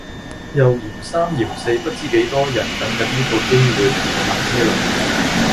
又嫌三嫌四不知幾多人等緊呢個機會同我打茄輪